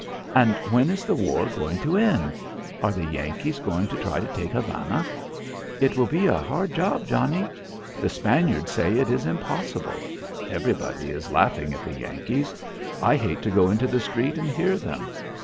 And when is the war going to end? Are the Yankees going to try to take Havana? It will be a hard job, Johnnie? The Spaniards say it is impossible. Everybody is laughing at the Yankees. I hate to go into the street and hear them.